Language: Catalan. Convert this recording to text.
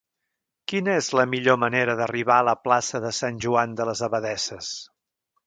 Quina és la millor manera d'arribar a la plaça de Sant Joan de les Abadesses?